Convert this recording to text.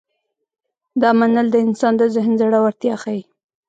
دا منل د انسان د ذهن زړورتیا ښيي.